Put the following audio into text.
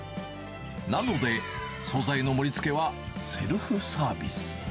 なので、総菜の盛りつけはセルフサービス。